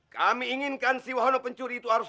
kami inginkan si walau pencuri itu harus